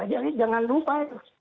jadi jangan lupa